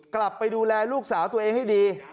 กลับไปดูแลลูกสาวตัวเองให้ดี